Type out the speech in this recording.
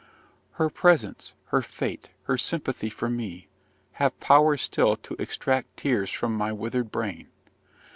"Her presence, her fate, her sympathy for me, have power still to extract tears from my withered brain.